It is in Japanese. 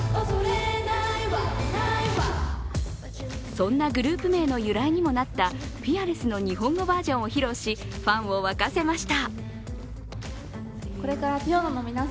そんなグループ名の由来ともなった「ＦＥＡＲＬＥＳＳ」の日本語バージョンを披露し、ファンを沸かせました。